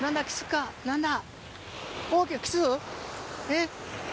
えっ？